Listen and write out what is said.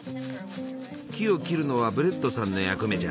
木を切るのはブレットさんの役目じゃ。